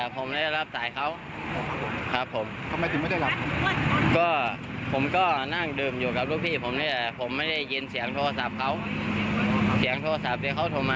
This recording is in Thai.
โปรดติดตามตอนต่อไป